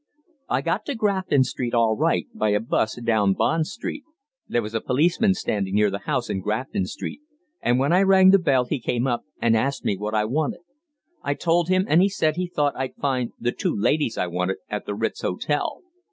"I got to Grafton Street all right by a 'bus down Bond Street. There was a policeman standing near the house in Grafton Street, and when I rang the bell he came up and asked me what I wanted. I told him, and he said he thought I'd find 'the two ladies I wanted' at the Ritz Hotel.